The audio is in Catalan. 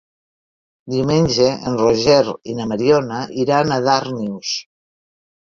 Diumenge en Roger i na Mariona iran a Darnius.